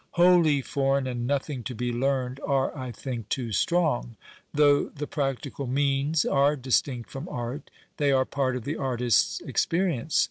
" Wholly foreign " and " nothing to he learned " arc, I think, too strong. Thougli I lu practical means arc distinct from art, they are |)art of the artist's experience.